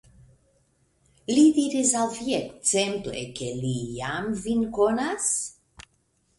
Li diris al vi ekzemple, ke li jam vin konas?